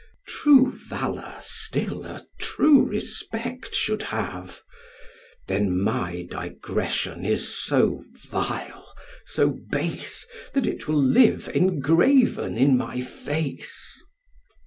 True valour still a true respect should have; Then my digression is so vile, so base, That it will live engraven in my face.